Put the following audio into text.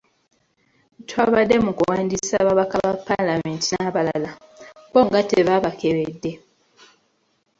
Twabadde mu kuwandiisa babaka ba palamenti n'abalala, bo nga tebaabakebedde?